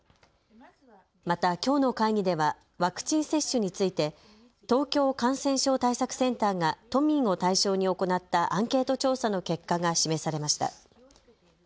またきょうの会議ではワクチン接種について東京感染症対策センターが都民を対象に行ったアンケート調査の結果が示されました。